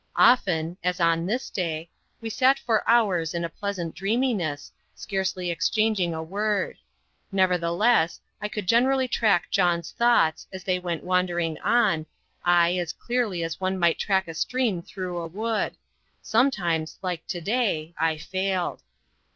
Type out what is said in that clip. Often as on this day we sat for hours in a pleasant dreaminess, scarcely exchanging a word; nevertheless, I could generally track John's thoughts, as they went wandering on, ay, as clearly as one might track a stream through a wood; sometimes like to day I failed.